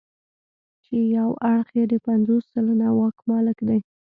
چې یو اړخ یې د پنځوس سلنه واک مالک دی.